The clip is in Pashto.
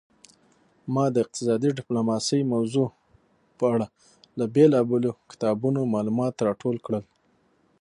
ما د اقتصادي ډیپلوماسي موضوع په اړه له بیلابیلو کتابونو معلومات راټول کړل